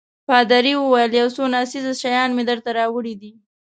پادري وویل: یو څو ناڅېزه شیان مې درته راوړي دي.